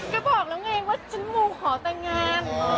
ก็บอกแล้วไงว่าฉันมูขอแต่งงาน